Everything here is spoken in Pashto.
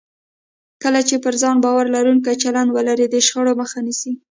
کله چې پر ځان باور لرونکی چلند ولرئ، د شخړې مخه نیسئ.